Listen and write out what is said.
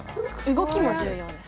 動きも重要です。